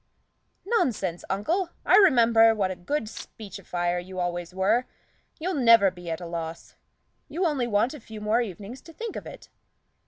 "Nonsense, uncle! I remember what a good speechifier you always were; you'll never be at a loss. You only want a few more evenings to think of it."